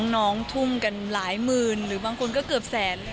น้องทุ่มกันหลายหมื่นหรือบางคนก็เกือบแสน